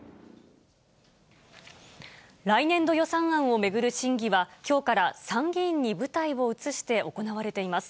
来年度予算案を巡る審議は、きょうから参議院に舞台を移して行われています。